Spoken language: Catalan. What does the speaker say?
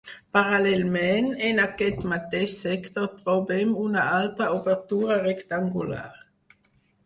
Paral·lelament, en aquest mateix sector trobem una altra obertura rectangular.